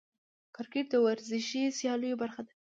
کرکټ د ورزشي سیالیو برخه ده.